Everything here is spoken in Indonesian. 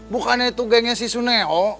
bukannya itu gengnya si suneo